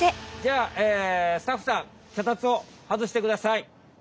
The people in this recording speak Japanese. じゃあスタッフさんきゃたつをはずしてください。